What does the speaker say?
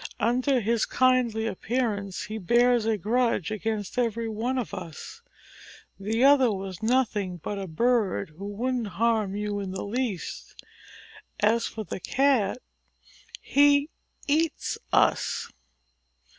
Under his kindly appearance, he bears a grudge against every one of us. The other was nothing but a bird who wouldn't harm you in the least. As for the Cat, he eats us.